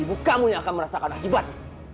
ibu kamu yang akan merasakan akibat